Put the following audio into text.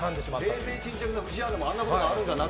冷静沈着な藤井アナも、あんなこともあるんだなって。